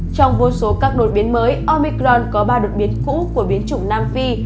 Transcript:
trong vô số các đột biến mới omicron có ba đột biến cũ của biến chủng nam phi